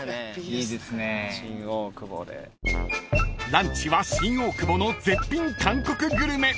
［ランチは新大久保の絶品韓国グルメ］